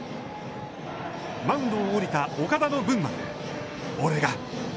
マウンドを降りた岡田の分まで俺が！